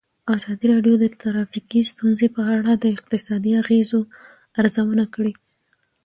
ازادي راډیو د ټرافیکي ستونزې په اړه د اقتصادي اغېزو ارزونه کړې.